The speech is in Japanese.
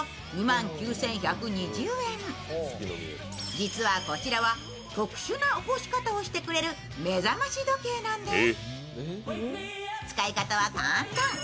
実はこちらは特殊な起こし方をしてくれる目覚まし時計なんです。